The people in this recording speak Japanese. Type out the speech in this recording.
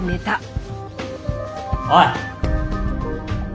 おい！